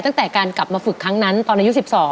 ตั้งแต่การกลับมาฝึกครั้งนั้นตอนอายุ๑๒